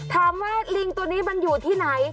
ลิงตัวนี้มันอยู่ที่ไหน